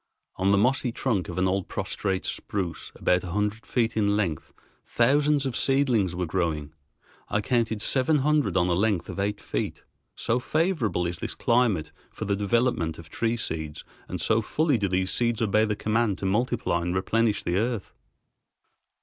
On the mossy trunk of an old prostrate spruce about a hundred feet in length thousands of seedlings were growing. I counted seven hundred on a length of eight feet, so favorable is this climate for the development of tree seeds and so fully do these trees obey the command to multiply and replenish the earth.